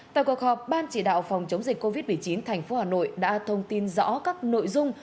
tại cuộc họp ban chỉ đạo phòng chống dịch covid một mươi chín thành phố hà nội đã thông tin rõ các nội dung